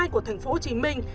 của thành phố hồ chí minh